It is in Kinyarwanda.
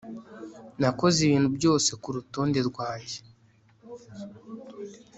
Nakoze ibintu byose kurutonde rwanjye